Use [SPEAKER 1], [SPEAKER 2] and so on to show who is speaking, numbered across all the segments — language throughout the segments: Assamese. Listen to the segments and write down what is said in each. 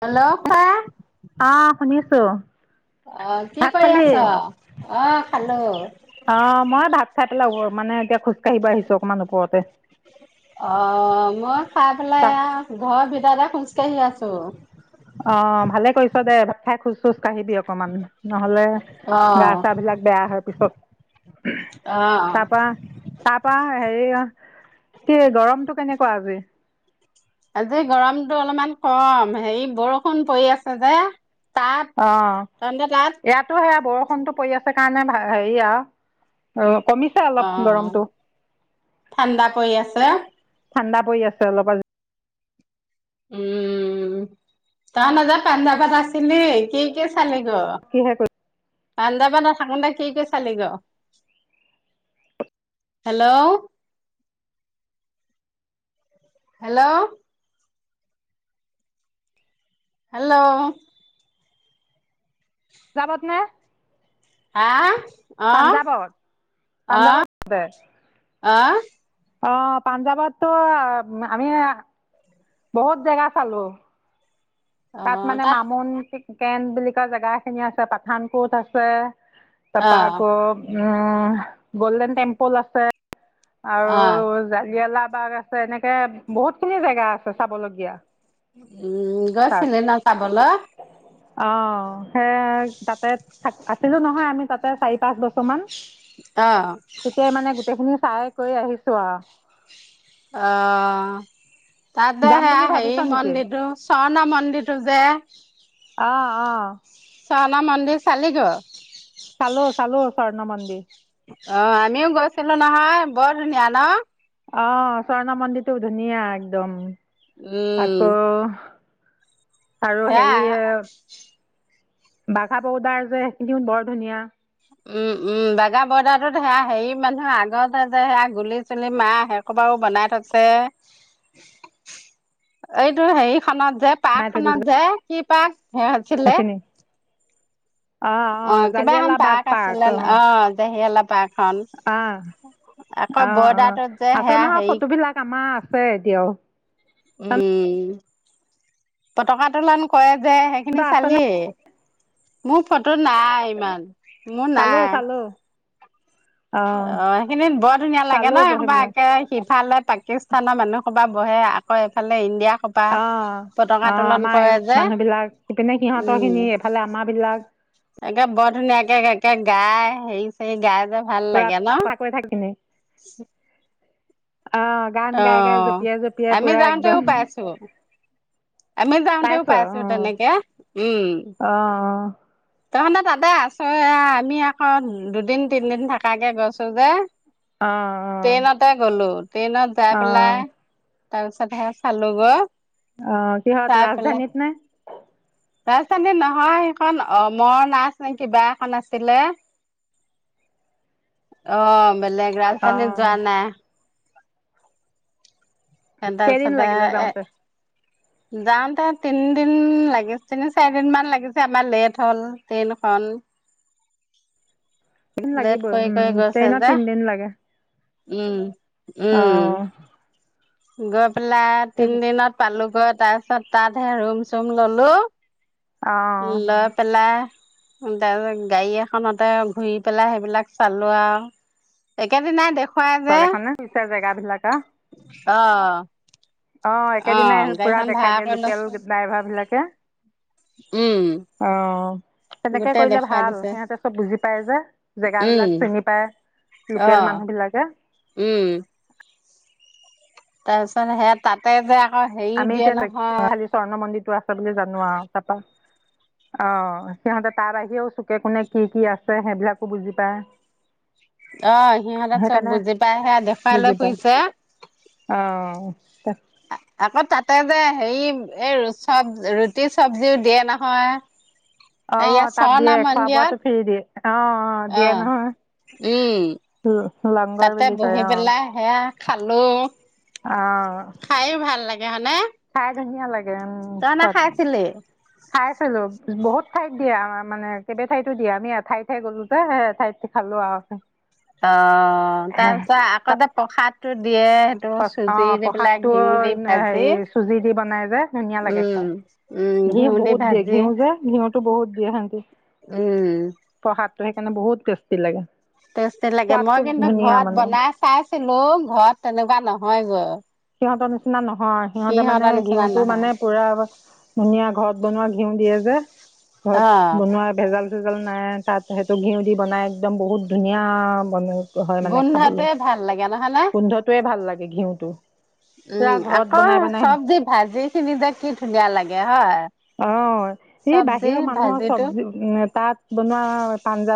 [SPEAKER 1] হেল্ল' ক
[SPEAKER 2] অ শুনিছো
[SPEAKER 1] আহ কি
[SPEAKER 2] ভাত
[SPEAKER 1] কৰি
[SPEAKER 2] খালি?
[SPEAKER 1] আছ আহ খালো
[SPEAKER 2] চাই লাগ মানে এতিয়া খোজ কাঢ়িব আহিছো অকণমান ওপৰতে
[SPEAKER 1] অ মই খাই পেলাই
[SPEAKER 2] তাত
[SPEAKER 1] ঘৰ ভিতৰতে শুনছো ক আছোঁ [unintelligible]
[SPEAKER 2] অ ভালে কৰিছ দে ভাত খাই খোজ চোজ কাঢ়িবি অকমান নহলে
[SPEAKER 1] অ
[SPEAKER 2] গা চা বিলাক বেয়া হয় পিছত
[SPEAKER 1] অ
[SPEAKER 2] তাৰ পৰা তাৰ পৰা হেৰি কি গৰমটো কেনেকুৱা আজি
[SPEAKER 1] আজি গৰমতটো অলপমান কম হেৰি বৰষুণ পৰি আছে যে তাত
[SPEAKER 2] অ
[SPEAKER 1] তহতে তাত
[SPEAKER 2] ইয়াতো সেয়া বৰষুণটো পৰি আছে কাৰণে হেৰি আৰু অ কমিছে অলপ
[SPEAKER 1] অ
[SPEAKER 2] গৰমটো
[SPEAKER 1] ঠাণ্ডা পৰি আছে
[SPEAKER 2] ঠাণ্ডা পৰি আছে অলপ
[SPEAKER 1] উম তই নযা পাঞ্জাৱত আছিলে কি কি চালি ক
[SPEAKER 2] কিহে কৰি
[SPEAKER 1] না থাকোনতে কি কি চালি গ হেল্ল' হেল্ল' হেল্ল'
[SPEAKER 2] ক পত নাই [unintelligible]
[SPEAKER 1] আহা আহ আহ
[SPEAKER 2] পাঞ্জাৱত দে
[SPEAKER 1] আহ
[SPEAKER 2] অ পাঞ্জাৱততো আমি বহুত জেগা চালো তাত মানে মামন ঠিক কেন বুলি কোৱা জেগা খিনি আছে পাঠান কোট আছে তপা
[SPEAKER 1] আহ
[SPEAKER 2] আকৌ উম গল্ডেন টেম্পল আছে আৰু
[SPEAKER 1] আহ
[SPEAKER 2] জালিয়ালা বাগ আছে এনেকে বহুত খিনি জেগা আছে চাবলগীয়া
[SPEAKER 1] উম
[SPEAKER 2] তাত
[SPEAKER 1] গৈছিলে ন চাবলৈ
[SPEAKER 2] অ সে তাতে আছিলো নহয় আমি তাতে চাৰি পাঁচ বছৰ কি
[SPEAKER 1] আহ
[SPEAKER 2] তেতিয়াই মানে গোটেইখিনি চাই কৰি আহিছো আহ
[SPEAKER 1] আহ তাতে
[SPEAKER 2] যাম
[SPEAKER 1] সে
[SPEAKER 2] বুলি ভাবিছ
[SPEAKER 1] হেৰি
[SPEAKER 2] নেকি
[SPEAKER 1] মন্দিৰটো সৰ্ণা মন্দিৰটো যে [inaudible]
[SPEAKER 2] অ অ
[SPEAKER 1] স্বৰ্ণা মন্দিৰ চালি গে
[SPEAKER 2] চালো চালো স্বৰ্ণ মন্দিৰ
[SPEAKER 1] অ আমিও গৈছিলো নহয় বৰ ধুনীয়া ন
[SPEAKER 2] অ স্বৰ্ণ মন্দিৰটোও ধুনীয়া একদম
[SPEAKER 1] উম
[SPEAKER 2] আকৌ আৰু
[SPEAKER 1] সেয়া
[SPEAKER 2] হেৰি বাঘা বৌদাৰ যে সেইখিনি বৰ ধুনীয়া
[SPEAKER 1] উম উম বাগা বৰ্দাৰটোত সেয়া হেৰি মানুহ আগতে যে সেয়া গুলি চুলি মাহে সৈইসোপাও বনাই থৈছে এইটো হেৰিখনত যে
[SPEAKER 2] বনাই
[SPEAKER 1] পাৰ্ক
[SPEAKER 2] থৈ দিছে
[SPEAKER 1] খনত যে কি পাক হে আছিলে
[SPEAKER 2] সেইখিনি অঁ
[SPEAKER 1] অ
[SPEAKER 2] অঁ
[SPEAKER 1] কিবা এখন
[SPEAKER 2] জালিয়ালাবাগ
[SPEAKER 1] পাৰ্ক আছিলে ন অ দেহি অলপ পাক
[SPEAKER 2] আহ অ অ
[SPEAKER 1] বৰ্ডাৰটোত যে
[SPEAKER 2] আছে
[SPEAKER 1] সেয়া
[SPEAKER 2] নহয়
[SPEAKER 1] হেৰি
[SPEAKER 2] ফটো বিলাক আমাৰ আ ছে এতিয়াও
[SPEAKER 1] উম পতকাটোলান কৰে যে সেইখিনি
[SPEAKER 2] তহঁতৰ আছেনে
[SPEAKER 1] চালি মোৰ ফটো নাই ইমান মু
[SPEAKER 2] চালোঁ
[SPEAKER 1] নাই
[SPEAKER 2] চালোঁ অঁ
[SPEAKER 1] অ সেইখিনি বৰ ধুনীয়া লাগে
[SPEAKER 2] চালোঁ
[SPEAKER 1] ন? সেই সোপা
[SPEAKER 2] সেইবিলাক
[SPEAKER 1] একে সিফালে পাকিস্তানৰ মানুহ সোপা বহে আকৌ এইফালে ইণ্ডিয়া সোপা
[SPEAKER 2] অ
[SPEAKER 1] পতকা
[SPEAKER 2] অ
[SPEAKER 1] তোলন
[SPEAKER 2] আমাৰ
[SPEAKER 1] কৰে যে
[SPEAKER 2] মানুহ বিলাক ইপিনে সিহঁতৰ
[SPEAKER 1] উম
[SPEAKER 2] খিনি এফালে আমাৰ বিলাক
[SPEAKER 1] একে বৰ ধুনীয়াকে একে গাই হেৰি চৰি গাই যে ভাল
[SPEAKER 2] পূৰা
[SPEAKER 1] লাগে
[SPEAKER 2] কথা কৈ থাকেনি
[SPEAKER 1] ন।
[SPEAKER 2] অ' গান গাই-গাই জঁপিয়াই জপিয়াই
[SPEAKER 1] আমি
[SPEAKER 2] পুৰা
[SPEAKER 1] যাওঁতেও
[SPEAKER 2] একদম।
[SPEAKER 1] পাইছো আমি যাওঁতেও
[SPEAKER 2] পাইছ অঁ
[SPEAKER 1] পাইছো
[SPEAKER 2] অঁ
[SPEAKER 1] তেনেকে, উম।
[SPEAKER 2] অঁ
[SPEAKER 1] তহে, তাতে আচা এ আমি আকৌ দুদিন তিনদিন থাকাকে গৈছো যে।
[SPEAKER 2] অঁ অঁ
[SPEAKER 1] ট্ৰেইনতে গলো ট্ৰেইনত যাই পেলাই
[SPEAKER 2] অ',
[SPEAKER 1] তাৰ পিছত সেয়া চালো গ
[SPEAKER 2] অ কিহত ৰাজধানীত নে?
[SPEAKER 1] ৰাজধানী নহয়, সেইখন অমৰা নাচ নে কিবা এখন আছিলে। অ' বেলেগ ৰাজধানীত
[SPEAKER 2] অ',
[SPEAKER 1] যোৱা নাই। এ,
[SPEAKER 2] কেইদিন
[SPEAKER 1] তাৰপিছতে,
[SPEAKER 2] লাগিলে যাওঁতে?
[SPEAKER 1] এ। যাওঁতে তিনিদিন লাগিল, তিনি-চাৰি দিন মান লাগিছে, আমাৰ লেট হ'ল ট্ৰেইনখন। [inaudible]
[SPEAKER 2] দুদিন
[SPEAKER 1] লেট
[SPEAKER 2] লাগিব
[SPEAKER 1] কৰি
[SPEAKER 2] উম,
[SPEAKER 1] কৰি গৈছে যে
[SPEAKER 2] ট্ৰেইনত তিনদিন লাগে।
[SPEAKER 1] উম।
[SPEAKER 2] অহ।
[SPEAKER 1] গপ । পেলাই তিন দিনত পালোঁ। গৈ তাৰ পিছত, তাতহে ৰুম চুম ললো।
[SPEAKER 2] অ',
[SPEAKER 1] লৈ পেলাই । তাৰপিছত গাড়ী এখনতে ঘূৰি পেলাই, সেইবিলাক চালো আৰু একেদিনাই দেখো । খোৱা যে,
[SPEAKER 2] চৰকাৰখনে পিছে জেগাবিলাক আ
[SPEAKER 1] অ' ।
[SPEAKER 2] অ, একেদিনাই পুৰা দেখাই দিয়ে, লোকেল
[SPEAKER 1] লৈছো
[SPEAKER 2] ড্ৰাইভাৰ বিলাকে।
[SPEAKER 1] উম
[SPEAKER 2] অহ । তেনেকে
[SPEAKER 1] গোটেই
[SPEAKER 2] কৰিলে
[SPEAKER 1] দেখাই
[SPEAKER 2] ভাল,
[SPEAKER 1] দিছে
[SPEAKER 2] সিহঁতে চব বুজি পায় যে,
[SPEAKER 1] উম
[SPEAKER 2] জেগাবিলাক চিনি পায়।
[SPEAKER 1] অ
[SPEAKER 2] লোকেল মানুহ বিলাকে।
[SPEAKER 1] উম। তাৰপিছত সেয়া তাতে, যে । অ, হেৰিও
[SPEAKER 2] আমি
[SPEAKER 1] দিয়ে
[SPEAKER 2] এতিয়া
[SPEAKER 1] নহয়।
[SPEAKER 2] খালি স্বৰ্ণ মন্দিৰটো আছে বুলি জানো আৰু তাৰপৰা অ, সিহঁতে তাৰ আহিও চু কোনে কি কি আ সেইবিলাকো বুজি পায়।
[SPEAKER 1] অ, সিহঁতে চব
[SPEAKER 2] সেইকাৰণে
[SPEAKER 1] বুজি পাইহে দেখুৱাই
[SPEAKER 2] বুজি
[SPEAKER 1] লৈ
[SPEAKER 2] পায়
[SPEAKER 1] ফুৰিছে ।
[SPEAKER 2] তাক ।
[SPEAKER 1] আকৌ তাতে যে হেৰি, এই চব ৰুটি চবজিও দিয়ে নহয় ।
[SPEAKER 2] অ, তাত দিয়ে খোৱা বোৱাটো ফ্ৰি দিয়ে । অ,
[SPEAKER 1] অ
[SPEAKER 2] দিয়ে নহয় ।
[SPEAKER 1] তাতে বহি পেলাই, সেয়া খালো
[SPEAKER 2] অঁ
[SPEAKER 1] খায়ে ভাল লাগে । সেয়ানে ।
[SPEAKER 2] খাই ধুনীয়া লাগে । উম, তাত
[SPEAKER 1] নাখাইছিলি
[SPEAKER 2] খাই চালো বহুত । ঠাইত দিয়া আ মানে কেইে ঠাইতো দিয়া। আমি এঠাই ঠাই গ'লো যে সেই ঠাইত খালো অহ।
[SPEAKER 1] অ তাৰপিছত আকৌতে প্ৰসাদ।
[SPEAKER 2] অ প্ৰসাদতটো
[SPEAKER 1] ঘিউ দি ভাজি
[SPEAKER 2] হেৰি চুজি দি বনাই যে ধুনীয়া লাগে
[SPEAKER 1] উম
[SPEAKER 2] খাই
[SPEAKER 1] উম
[SPEAKER 2] ঘিউ
[SPEAKER 1] দি
[SPEAKER 2] বহুত দিয়ে
[SPEAKER 1] ভাজি
[SPEAKER 2] ঘিউ যে ঘিউ। বহুত দিয়ে হেতি।
[SPEAKER 1] উম।
[SPEAKER 2] সেইকাৰণে বহুত টেষ্টি লাগে।
[SPEAKER 1] টেষ্টি লাগে
[SPEAKER 2] সোৱাদটো
[SPEAKER 1] মই কিন্তু
[SPEAKER 2] ধুনীয়া
[SPEAKER 1] ঘৰত
[SPEAKER 2] মানে
[SPEAKER 1] বনাই চাইছিলো ঘৰত তেনেকুৱা। কিবা নহয় জে।
[SPEAKER 2] সিহঁতৰ নিচিনা নহয় সিহঁতে মানে
[SPEAKER 1] নিচিনা
[SPEAKER 2] ঘিউতটো
[SPEAKER 1] নহয়
[SPEAKER 2] মানে পুৰা ধুনীয়া ঘৰত বনোৱা ঘিউ দিয়ে যে।
[SPEAKER 1] অ
[SPEAKER 2] ঘৰত বনোৱা ভেজাল চেজাল। তাত সেইটো ঘিউ দি বনাই একদম বহুত ধুনীয়া বন। হয় মানে খাবলৈ
[SPEAKER 1] গোন্ধাটোৱে ভাল লাগে নহয় নে?
[SPEAKER 2] গোন্ধটোৱে ভাল লাগে ঘিউটো। পূৰা
[SPEAKER 1] উম
[SPEAKER 2] ঘৰত
[SPEAKER 1] আকৌ
[SPEAKER 2] বনাই বনাই
[SPEAKER 1] চব্জি ভাজি খিনি যে কি ধুনীয়া লাগে হয়
[SPEAKER 2] অঁ এই
[SPEAKER 1] চবজি
[SPEAKER 2] বাহিৰৰ মানুহৰ
[SPEAKER 1] ভাজিটো।
[SPEAKER 2] চব্জি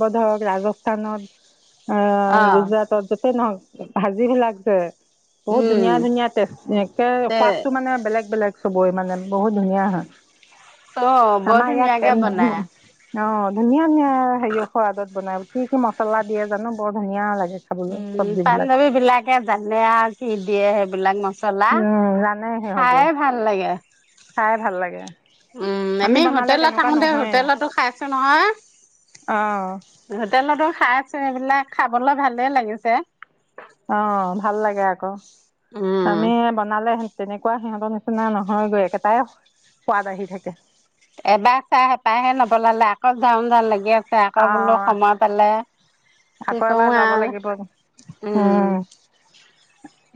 [SPEAKER 2] বধক ৰাজস্থানত। অ গুজৰাট যতে নহ। ভাজিবিলাক যে। বহুত
[SPEAKER 1] উম
[SPEAKER 2] ধুনীয়া। ধুনীয়াতে একে
[SPEAKER 1] তে
[SPEAKER 2] সোৱাদটো মানে বেলেগ বেলেগ। চবৰে মানে বহুত ধুনীয়া হয়।
[SPEAKER 1] অ বৰ
[SPEAKER 2] আমাৰ ইয়াত
[SPEAKER 1] ধুনীয়াকে বনাই।
[SPEAKER 2] অ ধুনীয়া ধুনীয়া। হেৰিও সোৱাদত বনাই কি কি মছলা দিয়ে জানো। বৰ ধুনীয়া লাগে। খাবলৈ
[SPEAKER 1] উম
[SPEAKER 2] চব্জিবিলাক
[SPEAKER 1] পাঞ্জৱী বিলাকে জানে আৰু কি দিয়ে সেইব। বিলাক মচবুত।
[SPEAKER 2] উম জানে সিহঁতি
[SPEAKER 1] লাগে
[SPEAKER 2] খাই ভাল লাগে।
[SPEAKER 1] উম আমি
[SPEAKER 2] বনালে
[SPEAKER 1] হোটেলত
[SPEAKER 2] তেনেকুৱা
[SPEAKER 1] থাকোতে
[SPEAKER 2] নহয়ে
[SPEAKER 1] হোটেলতো খাইছো নহয়।
[SPEAKER 2] অ'
[SPEAKER 1] হোটেলতো খাই চো সেইবিলাক খাবলৈ ভালে লাগিছে।
[SPEAKER 2] অ ভাল লাগে আকৌ
[SPEAKER 1] উম
[SPEAKER 2] আমি বনালে তেনেকুৱা। সিহঁতৰ নিচিনা নহয়গৈ একেটাই সোৱাদ আহি থাকে।
[SPEAKER 1] এবাৰ চাই হেপাহহে নপলালে আকৌ যাও যাও লাগি আছে। তাকে বোলো
[SPEAKER 2] অ'
[SPEAKER 1] সময় পালেই
[SPEAKER 2] আকৌ এবাৰ যাব লাগিব উম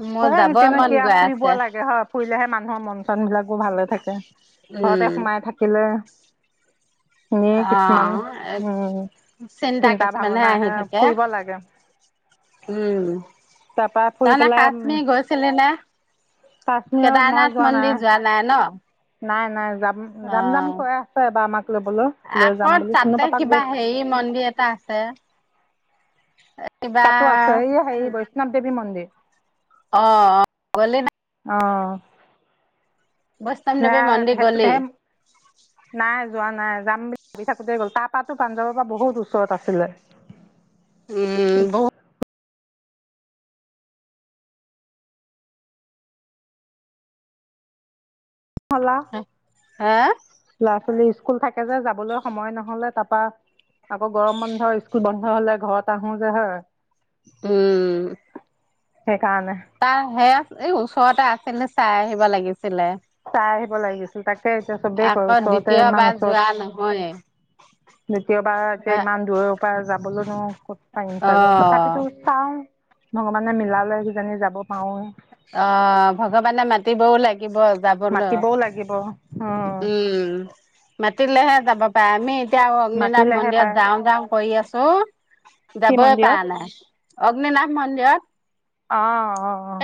[SPEAKER 1] মোৰ যাবই মন
[SPEAKER 2] তেনেকে
[SPEAKER 1] গৈ
[SPEAKER 2] ফুৰিব
[SPEAKER 1] আছে
[SPEAKER 2] লাগে হয় ফুৰিলেহে মানুহ মন চন বিলাকো ভালে থাকে। ঘৰতে
[SPEAKER 1] উম
[SPEAKER 2] সোমাই থাকিলে। এনেই
[SPEAKER 1] অ
[SPEAKER 2] কিছুমান উম
[SPEAKER 1] চিন্তা কিছুমানহে
[SPEAKER 2] ভাৱনা
[SPEAKER 1] আহি
[SPEAKER 2] আহে
[SPEAKER 1] থাকে।
[SPEAKER 2] ফুৰিব লাগে
[SPEAKER 1] এ উম
[SPEAKER 2] তাৰপৰা ফুৰি
[SPEAKER 1] তাৰমানে
[SPEAKER 2] পেলাই উম
[SPEAKER 1] কাশ্মীৰ গৈছিলি নে অ কেদাৰনাথ মন্দিৰ যোৱা নাই ন
[SPEAKER 2] নাই নাই যাম যাম যাম
[SPEAKER 1] অ'
[SPEAKER 2] কৈ আছে এবাৰ আমাক লবলৈ লৈ
[SPEAKER 1] আকৌ
[SPEAKER 2] যাম বুলি চিনু
[SPEAKER 1] তাতে
[SPEAKER 2] পাপাক
[SPEAKER 1] কিবা
[SPEAKER 2] গৈছে
[SPEAKER 1] হেৰি মন্দিৰ এটা আছে কিবা
[SPEAKER 2] তাতো আছে এই হে বৈষ্ণৱ দেৱী মন্দিৰ। [inaudible]
[SPEAKER 1] অ অ গলি ন
[SPEAKER 2] অ
[SPEAKER 1] বৈষ্ণৱ দেৱী মন্দিৰ গলি
[SPEAKER 2] সেইয়াই মই নাই যোৱা নাই যাম বুলি ভাবি থাকোতে গ'ল তাপাতো পাঞ্জাৱৰ পৰা বহুত ওচৰত আছিলে
[SPEAKER 1] উম বহুত
[SPEAKER 2] হল আও
[SPEAKER 1] হে
[SPEAKER 2] লৰা ছোৱালী স্কুল স্কুল থাকে যে যাবলৈ সময় নহলে তাৰাপা আকৌ গৰম বন্ধ স্কুল বন্ধ হলে ঘৰত আহো যে হয়।
[SPEAKER 1] উম
[SPEAKER 2] সেইকাৰণে
[SPEAKER 1] তাৰ সেই উম ওচৰতে আছে কিন্তু চাই আহিব লাগিছিলে
[SPEAKER 2] চাই আহিব লাগিছিল তাকে এতিয়া চবেই কয়
[SPEAKER 1] আকৌ
[SPEAKER 2] ওচৰতে ইমান
[SPEAKER 1] দ্বিতীয়বাৰ
[SPEAKER 2] ওচৰত
[SPEAKER 1] যোৱা নহয়ে
[SPEAKER 2] দ্বিতীয়বাৰ এতিয়া ইমান দূৰৰ পৰা যাবলৈ নো ক'ত পাৰিম
[SPEAKER 1] অ
[SPEAKER 2] চাগৈ তথাপিতো চাও ভগৱানে মিলালৈ কিজনি যাব পাৰোৱে
[SPEAKER 1] অ ভগৱানে মাতিবও লাগে থাকিব যাবলৈ
[SPEAKER 2] মাতিবও লাগিব
[SPEAKER 1] উম মাতিলেহে যাবা পায় মি এতিয়া অগ্নিনাথ
[SPEAKER 2] মাতিলেহে
[SPEAKER 1] মন্দিৰত
[SPEAKER 2] পায়
[SPEAKER 1] যাওঁ যাওঁ কৰি আছে চ
[SPEAKER 2] কি
[SPEAKER 1] যাবই পৱা
[SPEAKER 2] মন্দিৰত
[SPEAKER 1] নাই অ অগ্নিনাভ মন্দিৰত
[SPEAKER 2] অ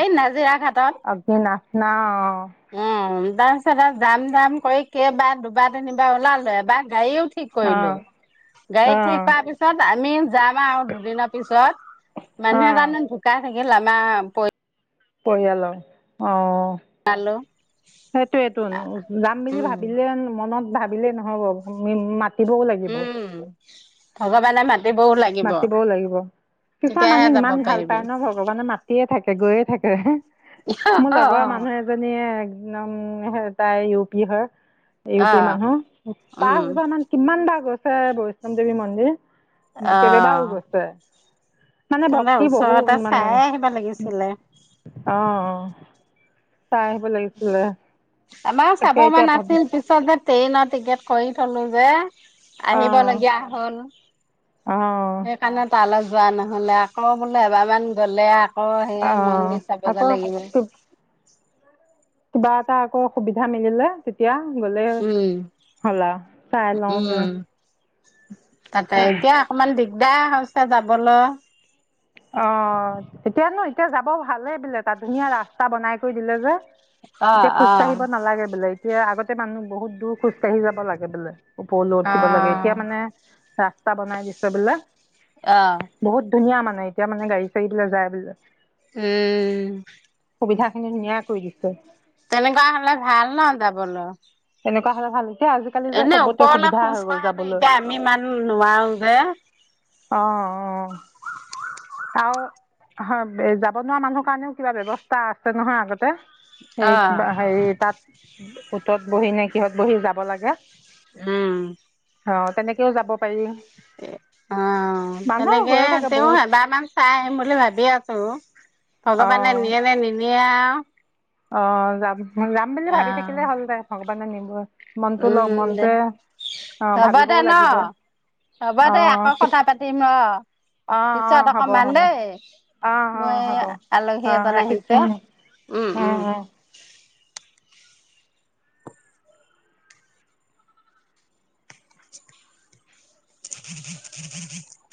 [SPEAKER 1] এই নাজিৰা
[SPEAKER 2] না অঁ
[SPEAKER 1] ঘাটত উ দাজ টা যাম যাম কৰি কেইবাৰ দুবাৰ তিনিবাৰ ওলালো এবাৰ গাড়ীও ঠিক কৰিলো
[SPEAKER 2] অঁ
[SPEAKER 1] গাড়ীত
[SPEAKER 2] অঁ
[SPEAKER 1] ঠিক হোৱা পিছত আমি যাম আও দুদিনৰ পিছত মানুহে
[SPEAKER 2] অঁ
[SPEAKER 1] এজনে ঢুকাই থাকিল আমাৰ পৰি
[SPEAKER 2] পৰিয়ালৰ অ
[SPEAKER 1] পৰিয়ালো
[SPEAKER 2] সেইটোয়ে টোন যাম বুলি
[SPEAKER 1] উম
[SPEAKER 2] ভাবিলে মনত ভাবিলে নহ'ব ভুমি মাত
[SPEAKER 1] উম ভগৱানে মাত
[SPEAKER 2] মাতিবও লাগিব কিছুমান
[SPEAKER 1] তেতিয়াহে
[SPEAKER 2] মানুহ
[SPEAKER 1] যাব
[SPEAKER 2] ইমান ভাল
[SPEAKER 1] পাৰিবি।
[SPEAKER 2] পায় ন ভগৱানে মাতিয়ে থাকে গৈয়ে থাকে একেৰাহে মোৰ লগৰ
[SPEAKER 1] অ',
[SPEAKER 2] মানুহ এজনীয়ে তমম হাই তাই ইউ পি হয় ইউ পি মানুহ
[SPEAKER 1] উম,
[SPEAKER 2] পাঁচবাৰ মান, কিমান বাৰ গৈছে হয় বৈষ্ণৱ দেৱী মন্দিৰ
[SPEAKER 1] অ,
[SPEAKER 2] কেবাবাও গৈছে মানে
[SPEAKER 1] তহঁতে
[SPEAKER 2] ভক্তি
[SPEAKER 1] ওচৰতে
[SPEAKER 2] বহুত মানে
[SPEAKER 1] চাই আহিব লাগিছিলে।
[SPEAKER 2] আহ চাই আহিব লাগিছিলে
[SPEAKER 1] আমাৰ
[SPEAKER 2] তাকে
[SPEAKER 1] চাব মন
[SPEAKER 2] এতিয়া ভাবো
[SPEAKER 1] আছিল পিছত যে ট্ৰেইনৰ টিকেট কৰি থলোঁ যে
[SPEAKER 2] অ
[SPEAKER 1] আহিব লগীয়া হ'ল
[SPEAKER 2] অ
[SPEAKER 1] সেইকাণে তালৈ যোৱা নহ'লে আকৌ বোলে এবাৰমান গ'লে অ
[SPEAKER 2] অ
[SPEAKER 1] সেয়াই মন্দিৰ
[SPEAKER 2] আকৌ
[SPEAKER 1] চাবগে লাগিব
[SPEAKER 2] কিবা এটা আকৌ সুবিধা মিলিলে এতিয়া গলে
[SPEAKER 1] উম,
[SPEAKER 2] হল আও চাই লওঁ
[SPEAKER 1] উম,
[SPEAKER 2] গে
[SPEAKER 1] দা হৈছে যাবলে
[SPEAKER 2] অ এতিয়ানো এতিয়া যাব ভালে বোলে তাত ধুনীয়া ৰাস্তা বনাই কৈ দিলে যে
[SPEAKER 1] অ',
[SPEAKER 2] এতিয়া
[SPEAKER 1] অ',
[SPEAKER 2] খোজকাঢ়িব নালাগে বোলে এতিয়া আগতে মানুহ বহুত দূৰ খোজকাঢ়ি যাব লাগে বোলে ওপৰলৈ উঠিব লাগে
[SPEAKER 1] অ',
[SPEAKER 2] এতিয়া মানে ৰাস্তা বনাই দিছে বোলে
[SPEAKER 1] অ',
[SPEAKER 2] বহুত ধুনীয়া মানে এতিয়া মানে গাড়ী চাৰি যায় বুলে
[SPEAKER 1] উম
[SPEAKER 2] সুবিধা খিনি ধুনীয়া কৰি দিছে
[SPEAKER 1] তেনেকুৱা হলে ভাল ন যাবলৈ
[SPEAKER 2] তেনেকুৱ হলে ভাল। এতিয়া আজিকালি যে
[SPEAKER 1] এনে
[SPEAKER 2] চবতে
[SPEAKER 1] ওপৰলৈ
[SPEAKER 2] সুবিধা
[SPEAKER 1] খোজ
[SPEAKER 2] হৈ গ'ল
[SPEAKER 1] কঢ়া নো
[SPEAKER 2] যাবলৈ
[SPEAKER 1] এতিয়া আমি ইমান নোৱাৰো যে
[SPEAKER 2] অঁ
[SPEAKER 1] ।
[SPEAKER 2] অঁ আৰু হয়, যাব নোৱাৰা মানুহৰ কাৰণেও কিবা ব্যৱস্থা আছে নহয় আগতে । এই
[SPEAKER 1] অ'।
[SPEAKER 2] কিবা সেই তাত । অ ত [unintelligible] বহি নে, কিহত বহি যাব লাগে ।
[SPEAKER 1] উম ।
[SPEAKER 2] অ, তেনেকেও যাব পাৰি ।
[SPEAKER 1] অ, তেনেকে
[SPEAKER 2] গৈয়ে থাকে
[SPEAKER 1] তেওঁ
[SPEAKER 2] বহুত
[SPEAKER 1] এবাৰ মান চাই আহিম বুলি ভাবি আছো । ভগৱানে নিয়ে নে নিনিয়ে । এয়া ।
[SPEAKER 2] অ যাম, যাম বুলি ভাবি থাকিলে
[SPEAKER 1] অ',
[SPEAKER 2] হ'ল দে ভ । বানে নিবই ।
[SPEAKER 1] উম, দে
[SPEAKER 2] অঁ
[SPEAKER 1] হ'ব দে
[SPEAKER 2] ভাবিবও
[SPEAKER 1] ন,
[SPEAKER 2] লাগিব
[SPEAKER 1] হ'ব দে
[SPEAKER 2] অঁ
[SPEAKER 1] আকৌ
[SPEAKER 2] ঠিক
[SPEAKER 1] কথা পাতিম ৰ
[SPEAKER 2] অঁ অঁ
[SPEAKER 1] পিছত
[SPEAKER 2] হ'ব
[SPEAKER 1] অকমান
[SPEAKER 2] হ'ব
[SPEAKER 1] দেই,
[SPEAKER 2] অঁ অঁ
[SPEAKER 1] মই
[SPEAKER 2] হ'ব অঁ
[SPEAKER 1] আলহী এজন আহিছে, উম।
[SPEAKER 2] অ,
[SPEAKER 1] উম।
[SPEAKER 2] অ ।
[SPEAKER 1] [unintelligible] ভ ভ [inaudible]